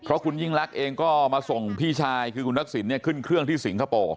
เพราะคุณยิ่งลักษณ์เองก็มาส่งพี่ชายคือคุณทักษิณเนี่ยขึ้นเครื่องที่สิงคโปร์